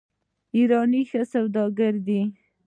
ایرانیان ښه سوداګر دي.